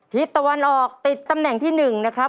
ทิศตะวันออกติดตำแหน่งที่๑นะครับ